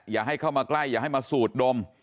อย่าให้เข้ามาใกล้อย่าให้มาสูดดม